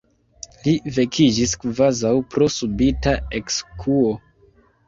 Li vekiĝis kvazaŭ pro subita ekskuo.